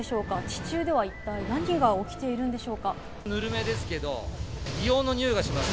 地中では一体何が起きてるんでしょうか？